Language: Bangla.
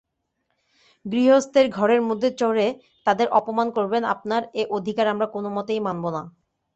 গৃহস্থের ঘরের মধ্যে চড়ে তাদের অপমান করবেন আপনার এ অধিকার আমরা কোনোমতেই মানব না।